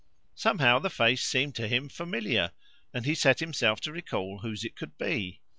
Somehow the face seemed to him familiar, and he set himself to recall whose it could be.